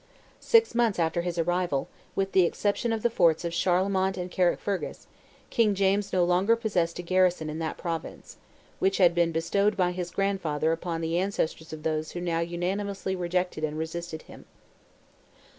Six months after his arrival, with the exception of the forts of Charlemont and Carrickfergus, King James no longer possessed a garrison in that province, which had been bestowed by his grandfather upon the ancestors of those who now unanimously rejected and resisted him.